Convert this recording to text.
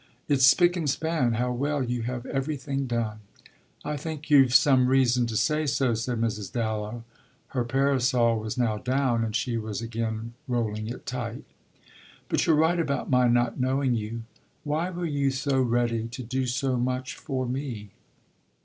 "It's spick and span. How well you have everything done!" "I think you've some reason to say so," said Mrs. Dallow. Her parasol was now down and she was again rolling it tight. "But you're right about my not knowing you. Why were you so ready to do so much for me?"